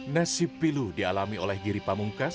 nasib pilu dialami oleh giri pamungkas